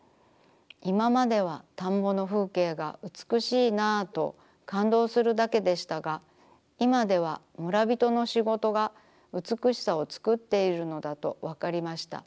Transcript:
いままでは田んぼの風景がうつくしいなあと感動するだけでしたがいまでは村びとのしごとがうつくしさをつくっているのだとわかりました。